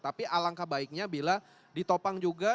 tapi alangkah baiknya bila ditopang juga